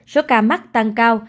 số ca mắc tăng cao